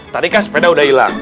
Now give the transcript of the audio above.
tadi kan sepeda udah hilang